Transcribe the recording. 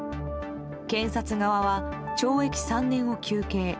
検察側は懲役３年を求刑。